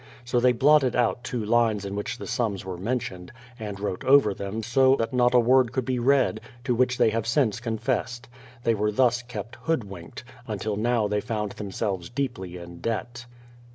So they blotted out two lines in which the sums were mentioned, and wrote over them so that not a word could be read, to which they have since confessed. They were thus kept hoodwinked, until now: they found themselves deeply in debt.